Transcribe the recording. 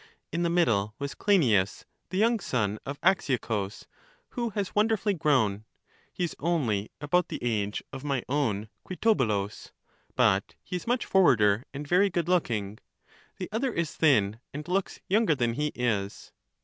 In the middle was Cleinias the young son of Axiochus, who has wonderfully grown ; he is only about the age of my own Critobulus, but he is much forwarder and very good looking: the other is thin and looks younger than he is.